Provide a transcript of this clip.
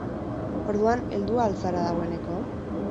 Orduan, heldua al zara dagoeneko?